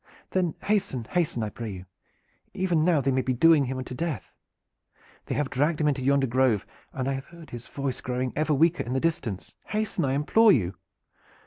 "Then hasten, hasten, I pray you! Even now they may be doing him to death. They have dragged him into yonder grove and I have heard his voice growing ever weaker in the distance. Hasten, I implore you!"